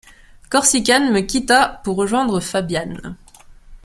Corsican me quitta pour rejoindre Fabian.